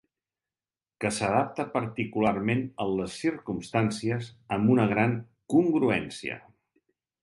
Que s'adapta particularment a les circumstàncies amb una gran congruència.